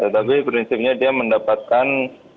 tapi prinsipnya dia mendapatkan